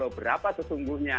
itu loh berapa itu sungguhnya